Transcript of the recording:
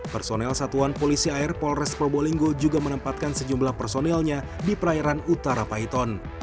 personel satuan polisi air polres probolinggo juga menempatkan sejumlah personelnya di perairan utara paiton